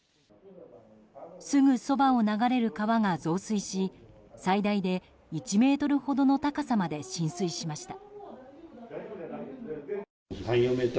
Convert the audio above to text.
すぐそばを流れる川が増水し最大で１ｍほどの高さまで浸水しました。